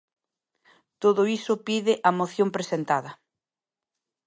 Todo iso pide a moción presentada.